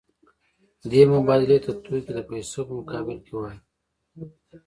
دې مبادلې ته توکي د پیسو په مقابل کې وايي